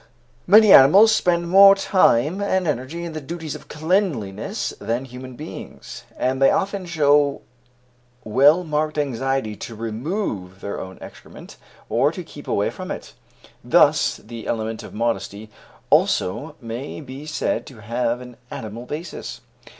Many animals spend more time and energy in the duties of cleanliness than human beings, and they often show well marked anxiety to remove their own excrement, or to keep away from it. Thus this element of modesty also may be said to have an animal basis.